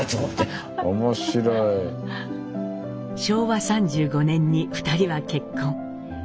昭和３５年に２人は結婚。